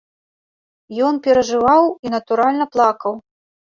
Ён перажываў і, натуральна, плакаў.